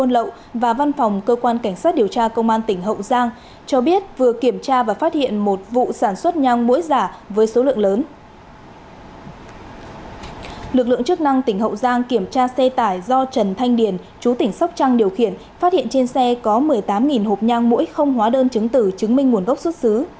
lực lượng chức năng tỉnh hậu giang kiểm tra xe tải do trần thanh điền chú tỉnh sóc trăng điều khiển phát hiện trên xe có một mươi tám hộp nhang mũi không hóa đơn chứng tử chứng minh nguồn gốc xuất xứ